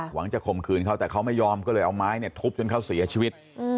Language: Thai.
จะข่มขืนเขาแต่เขาไม่ยอมก็เลยเอาไม้เนี่ยทุบจนเขาเสียชีวิต